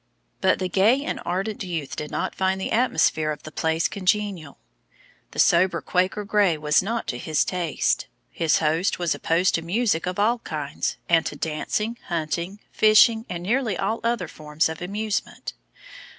But the gay and ardent youth did not find the atmosphere of the place congenial. The sober Quaker grey was not to his taste. His host was opposed to music of all kinds, and to dancing, hunting, fishing and nearly all other forms of amusement.